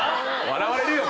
笑われるよ